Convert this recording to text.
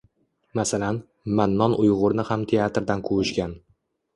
Masalan, Mannon Uygʻurni ham teatrdan quvishgan.